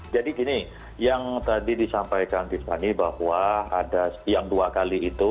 jadi gini yang tadi disampaikan giswani bahwa ada yang dua kali itu